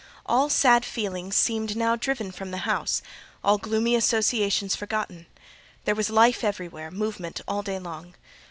All sad feelings seemed now driven from the house, all gloomy associations forgotten: there was life everywhere, movement all day long.